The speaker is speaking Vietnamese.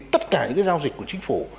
tất cả những cái giao dịch của chính phủ